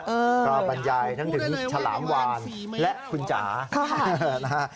เออก็บรรยายทั้งถึงฉลามวานและคุณจ๋านะฮะ